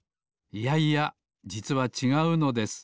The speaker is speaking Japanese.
いやいやじつはちがうのです。